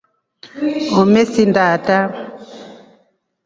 Umesinda ata.